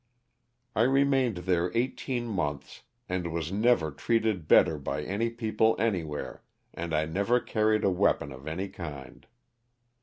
I remained there eighteen months and was never treated better by any people anywhere, and I never carried a weapon of any kind.